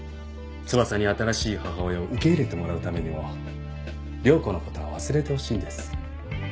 翼に新しい母親を受け入れてもらうためにも涼子の事は忘れてほしいんです。